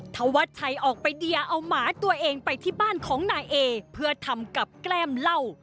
ธวัชชัยออกไปเดียเอาหมาตัวเองไปที่บ้านของนายเอเพื่อทำกับแกล้มเหล้า